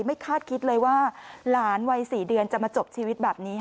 คาดคิดเลยว่าหลานวัย๔เดือนจะมาจบชีวิตแบบนี้